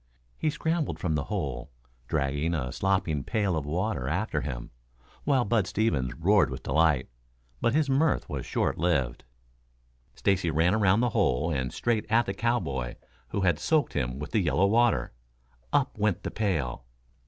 He scrambled from the hole, dragging a slopping pail of water after him, while Bud Stevens roared with delight. But his mirth was short lived. Stacy ran around the hole and straight at the cowboy who had soaked him with the yellow water. Up went the pail.